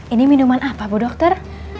ini minuman apa bu dokter